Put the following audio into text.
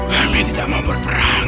kami tidak mau berperang